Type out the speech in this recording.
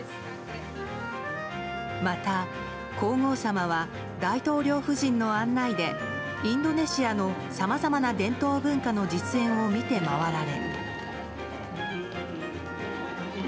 また皇后さまは大統領夫人の案内でインドネシアのさまざまな伝統文化の実演を見て回られ。